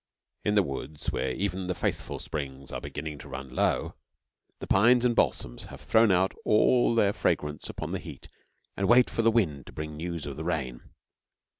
In the woods, where even the faithful springs are beginning to run low, the pines and balsams have thrown out all their fragrance upon the heat and wait for the wind to bring news of the rain.